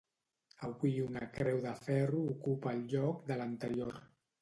Avui una creu de ferro ocupa el lloc de l'anterior.